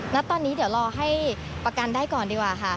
ณตอนนี้เดี๋ยวรอให้ประกันได้ก่อนดีกว่าค่ะ